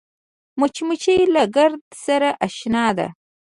مچمچۍ له ګرده سره اشنا ده